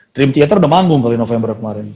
dream theater udah manggung kali november kemarin